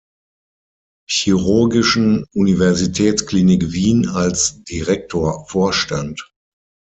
Chirurgischen Universitätsklinik Wien als Direktor vorstand.